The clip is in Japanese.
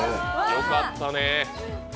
よかったね。